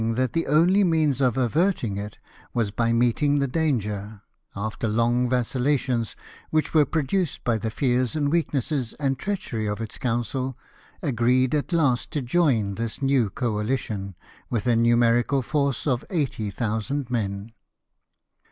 that the only means of averting it was by meeting the danger, after long vacillations, which were pro duced by the fears and weakness and treachery of its council, agreed at last to join this new coalition with a numerical force of 80,000 men.